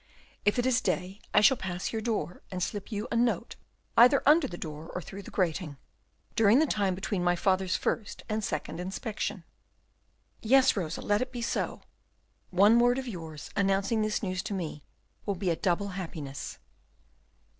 If it is day, I shall pass your door, and slip you a note either under the door, or through the grating, during the time between my father's first and second inspection." "Yes, Rosa, let it be so. One word of yours, announcing this news to me, will be a double happiness."